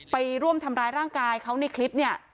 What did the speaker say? ไปร่วมทำร้ายร่างกายเขาในคลิปเนี่ย